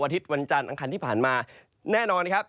ทิศวันจันทร์อังคารที่ผ่านมาแน่นอนนะครับ